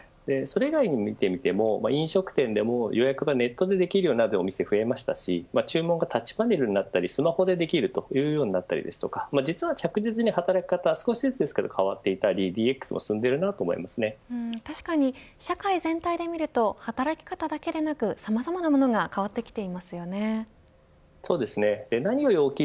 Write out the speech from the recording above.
それ以外に見てみても飲食店でも予約がネットでできるようお店なども増えましたし注文がタッチパネルなったりスマホでできるというようになったりですとか実は着実に働き方は、少しずつですけれど変わっていたりＤＸも進んでいるなと確かに社会全体で見ると働き方だけでなくさまざまなものがそうですね。